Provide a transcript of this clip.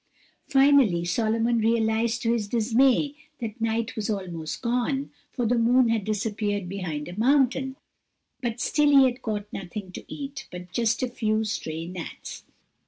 Finally Solomon realized to his dismay that night was almost gone, for the moon had disappeared behind a mountain, and still he had caught nothing to eat but just a few stray gnats.